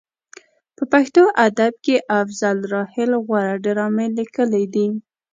په پښتو ادب کې افضل راحل غوره ډرامې لیکلې دي.